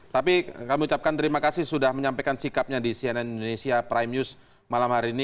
tapi kami ucapkan terima kasih sudah menyampaikan sikapnya di cnn indonesia prime news malam hari ini